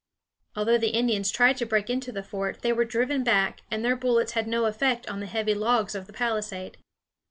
Although the Indians tried to break into the fort, they were driven back, and their bullets had no effect on the heavy logs of the palisade.